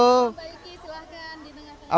mbak yuki silahkan